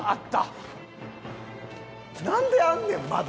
なんであんねんまだ。